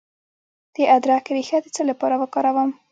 د ادرک ریښه د څه لپاره وکاروم؟